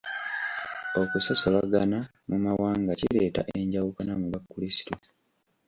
Okusosolagana mu mawanga kireeta enjawukana mu bakrisitu.